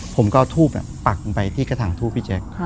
ผมก็เอาทูบปักลงไปที่กระถางทูบพี่แจ๊ค